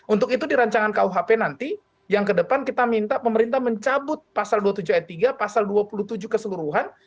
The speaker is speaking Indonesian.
untuk itu di rancangan kuhp nanti yang kedepan kita minta pemerintah mencabut pasal dua puluh tujuh ayat tiga pasal dua puluh tujuh keseluruhan